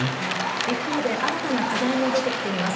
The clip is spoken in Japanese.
一方で新たな課題も出てきています。